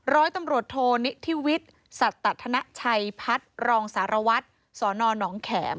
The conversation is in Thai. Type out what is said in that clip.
ร้อยตำรวจโทนิธิวิทย์สัตธนชัยพัฒน์รองสารวัตรสนหนองแข็ม